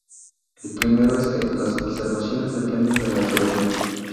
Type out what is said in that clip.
El primero es que "las observaciones dependen de la teoría".